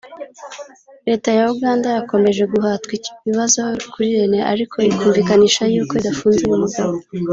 Leta ya Uganda yakomeje guhatwa ibibazo kuri Rene ariko ikumvikanisha y’uko idafunze uyu mugabo